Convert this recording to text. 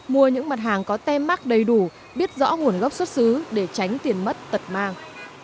mua những mặt hàng có tem mắc đầy đủ biết rõ nguồn gốc xuất xứ để tránh tiền mất tật mang